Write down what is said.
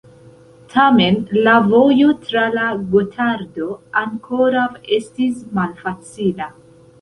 Tamen la vojo tra la Gotardo ankoraŭ estis malfacila.